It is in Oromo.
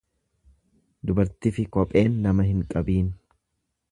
Dubartifi kopheen nama hin qabiin.